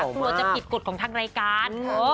กลัวจะผิดกฎของทางรายการ